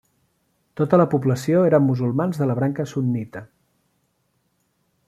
Tota la població eren musulmans de la branca sunnita.